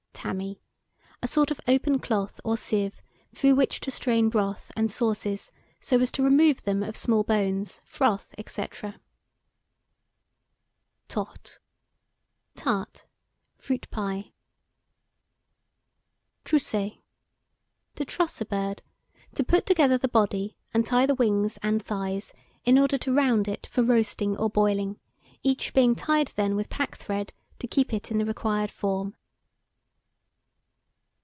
TAMIS. Tammy, a sort of open cloth or sieve through which to strain broth and sauces, so as to rid them of small bones, froth, &c. TOURTE. Tart. Fruit pie. TROUSSER. To truss a bird; to put together the body and tie the wings and thighs, in order to round it for roasting or boiling, each being tied then with packthread, to keep it in the required form.